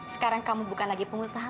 sekarang kamu bukan lagi pengusaha